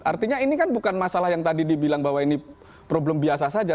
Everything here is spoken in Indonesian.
artinya ini kan bukan masalah yang tadi dibilang bahwa ini problem biasa saja